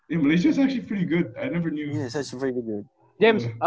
iya malaysia sebenarnya cukup bagus saya belum pernah ketahuan